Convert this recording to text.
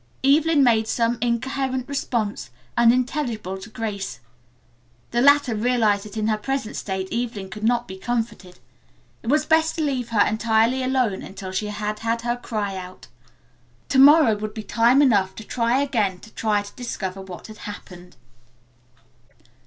Evelyn made some incoherent response, unintelligible to Grace. The latter realized that in her present state Evelyn could not be comforted. It was best to leave her entirely alone until she had had her cry out. To morrow would be time enough to try again to try to discover what had happened.